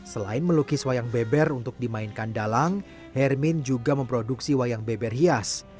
selain melukis wayang beber untuk dimainkan dalang hermin juga memproduksi wayang beber hias